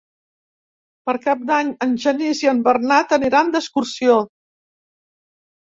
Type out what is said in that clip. Per Cap d'Any en Genís i en Bernat aniran d'excursió.